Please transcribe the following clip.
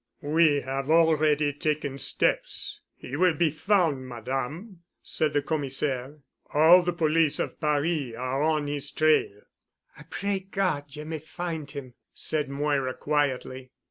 "We have already taken steps. He will be found, Madame," said the Commissaire. "All the police of Paris are on his trail." "I pray God you may find him," said Moira quietly.